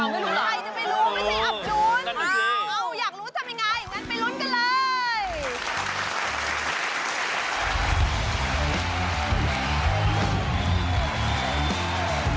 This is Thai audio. ไม่รู้ไม่รู้ไม่ใช่อับจูน